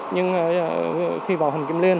nhưng khi vào hầm kim liên